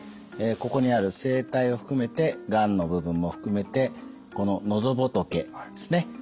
ここにある声帯を含めてがんの部分も含めてこの喉仏ですね